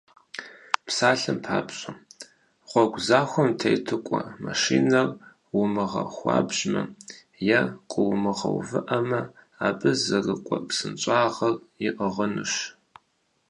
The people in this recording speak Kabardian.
Псалъэм папщӏэ, гъуэгу захуэм тету кӏуэ машинэр, умыгъэхуабжьмэ е къыумыгъэувыӏэмэ, абы зэрыкӏуэ псынщӏагъэр иӏыгъынущ.